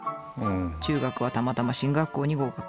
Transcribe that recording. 中学はたまたま進学校に合格。